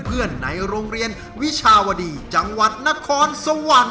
ในโรงเรียนวิชาวดีจังหวัดนครสวรรค์